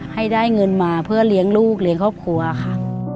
ให้ได้เงินมาเพื่อเลี้ยงลูกเลี้ยงครอบครัวค่ะ